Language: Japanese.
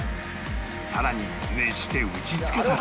更に熱して打ち付けたら